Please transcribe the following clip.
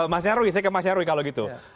mas nyarwi saya ke mas nyarwi kalau gitu